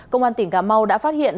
công an tỉnh cà mau đã phát hiện